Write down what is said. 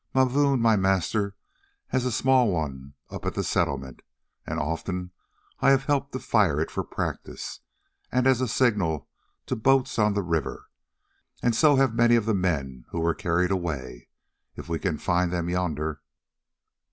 "Mavoom, my master, has a small one up at the Settlement, and often I have helped to fire it for practice and as a signal to boats on the river, and so have many of the men who were carried away, if we can find them yonder."